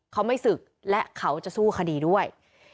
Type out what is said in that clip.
เขาไม่ศึกและเขาจะสู้คดีด้วย